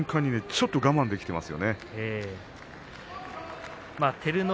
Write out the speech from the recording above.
ちょっと我慢ができています。